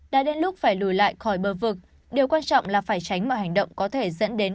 đã đến lúc phải lùi lại khỏi bờ vực điều quan trọng là phải tránh mọi hành động có thể dẫn đến